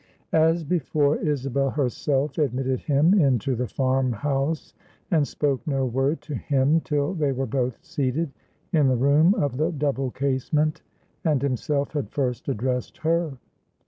As before, Isabel herself admitted him into the farm house, and spoke no word to him till they were both seated in the room of the double casement, and himself had first addressed her.